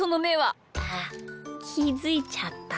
あっきづいちゃった？